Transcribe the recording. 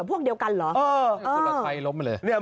อุ๊บอิ๊บ